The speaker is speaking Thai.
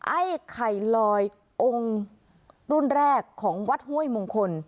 ไอ้ไข่ลอยองค์รุ่นแรกของวัดห้วยมงคล